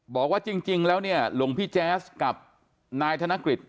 บอกว่าจริงแล้วเนี่ยหลวงพี่แจ๊สกับนายธนกฤษ